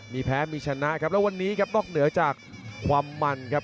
มีแพ้มีชนะครับแล้ววันนี้ครับนอกเหนือจากความมันครับ